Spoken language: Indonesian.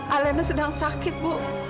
alena sedang sakit bu